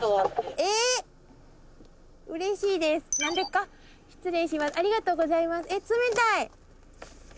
え冷たい！